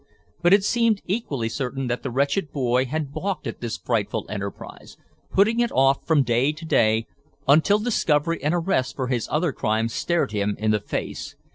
But it seemed equally certain that the wretched boy had balked at this frightful enterprise, putting it off from day to day, until discovery and arrest for his other crime stared him in the face.